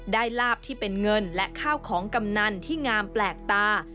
ลาบที่เป็นเงินและข้าวของกำนันที่งามแปลกตา